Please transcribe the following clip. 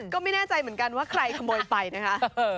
ก็ไม่แน่ใจเหมือนกันว่าใครขโมยไปนะคะ